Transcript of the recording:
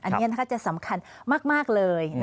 อันนี้จะสำคัญมากเลย